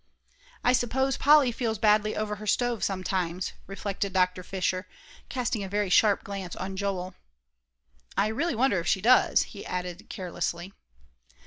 "I suppose Polly feels badly over her stove, sometimes," reflected Dr. Fisher, casting a very sharp glance on Joel. "I really wonder if she does," he added carelessly.